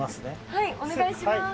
はいお願いします。